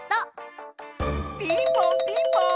ピンポンピンポーン！